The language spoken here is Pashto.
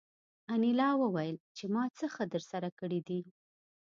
انیلا وویل چې ما څه ښه درسره کړي دي